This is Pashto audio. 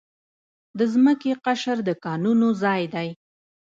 د ځمکې قشر د کانونو ځای دی.